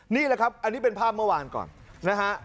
นี่แหละครับอันนี้เป็นภาพเมื่อวานก่อนนะฮะ